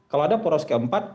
kalau ada poros keempat